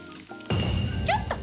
ちょっと！